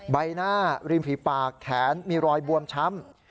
ใบหน้าริมฝีปากแขนมีรอยบวมช้ำ